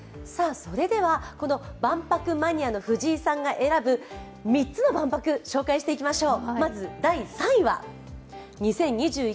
この万博マニアの藤井さんが選ぶ３つの万博、紹介していきましょう。